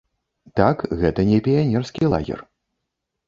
Так, гэта не піянерскі лагер.